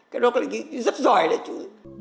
cái đó là cái rất giỏi đó chú